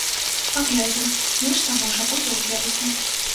Паглядзім, нешта, можа, будзе ў верасні.